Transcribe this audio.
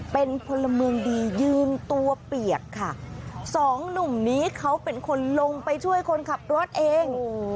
เป็นพลเมืองดียืนตัวเปียกค่ะสองหนุ่มนี้เขาเป็นคนลงไปช่วยคนขับรถเอง